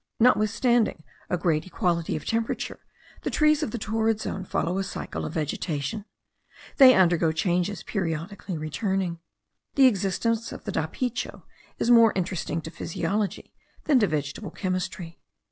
Notwithstanding a great equality of temperature, the trees of the torrid zone follow a cycle of vegetation; they undergo changes periodically returning. The existence of the dapicho is more interesting to physiology than to vegetable chemistry.